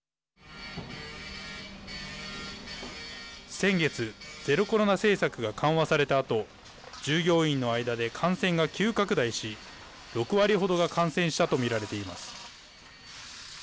先月ゼロコロナ政策が緩和されたあと従業員の間で感染が急拡大し６割程が感染したと見られています。